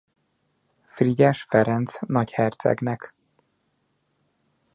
Frigyes Ferenc nagyhercegnek.